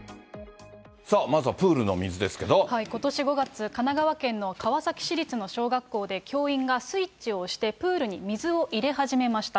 まずはプールの水ですけれども、ことし５月、神奈川県の川崎市立の小学校で教員がスイッチを押してプールに水を入れ始めました。